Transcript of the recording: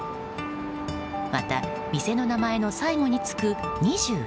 また、店の名前の最後につく「２２」。